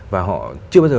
và họ chưa bao giờ